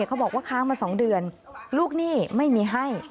เขาบอกว่าค้างมา๒เดือนลูกหนี้ไม่มีให้